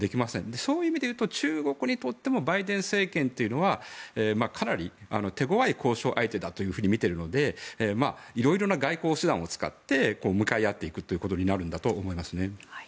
そういう意味で言うと中国にとってもバイデン政権というのはかなり手ごわい交渉相手だと見ているので色々な外交手段を使って向かい合っていくということになるんだと思いますね。